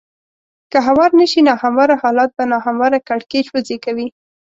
که هوار نه شي نا همواره حالات به نا همواره کړکېچ وزېږوي.